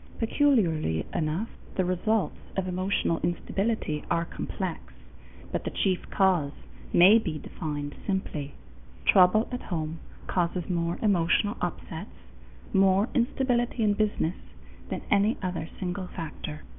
Peculiarly enough, the results of emotional instability are complex, but the chief cause may be defined simply: trouble at home causes more emotional upsets, more instability in business, than any other single factor.